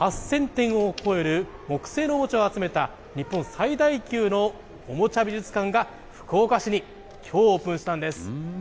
８０００点を超える木製のおもちゃを集めた、日本最大級のおもちゃ美術館が、福岡市にきょう、オープンしたんです。